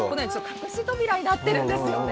隠し扉になっているんですね。